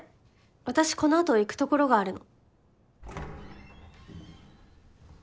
私このあと行くところがあるの。